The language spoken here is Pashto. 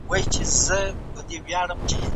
شتمن خلک هم کله ناکله د لوږې سختې وېرې احساسوي.